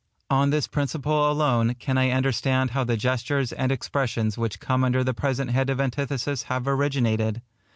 On this principle alone can I understand how the gestures and expressions which come under the present head of antithesis have originated.